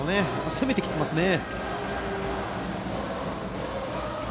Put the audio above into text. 攻めてきていますね。